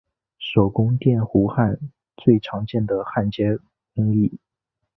手工电弧焊最常见的焊接工艺。